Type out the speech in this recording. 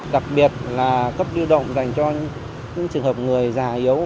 đặc biệt là cấp lưu động dành cho những trường hợp người già yếu